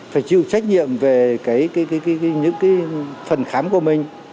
phải chịu trách nhiệm về những phần khám của mình